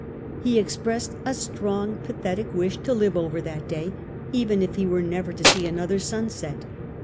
He expressed a strong, pathetic wish to live over that day, even if he were never to see another sunset.